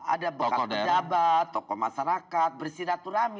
ada pejabat tokoh masyarakat bersiraturami